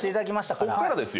こっからですよ